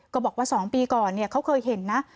บอกว่า๒ปีก่อนเขาเคยเห็นนะ